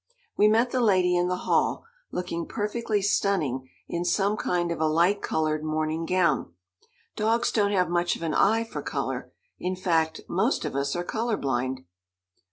We met the lady in the hall, looking perfectly stunning in some kind of a light coloured morning gown. Dogs don't have much of an eye for colour. In fact, most of us are colour blind.